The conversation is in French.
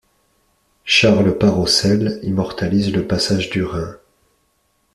Charles Parrocel immortalise le passage du Rhin.